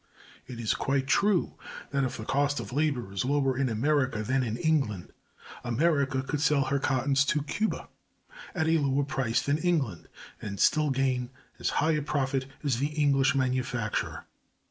It is quite true that, if the cost of labor is lower in America than in England, America could sell her cottons to Cuba at a lower price than England, and still gain as high a profit as the English manufacturer.